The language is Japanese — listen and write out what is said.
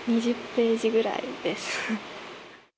２０ページぐらいです。